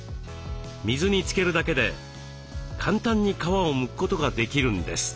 水につけるだけで簡単に皮をむくことができるんです。